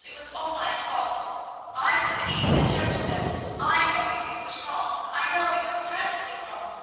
It was all my fault; I was the Eve that tempted them. I know it was wrong; I know it was dreadful wrong!